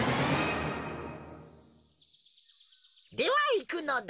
ではいくのだ。